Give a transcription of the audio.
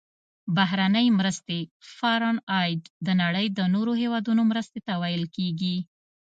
بهرنۍ مرستې Foreign Aid د نړۍ د نورو هیوادونو مرستې ته ویل کیږي.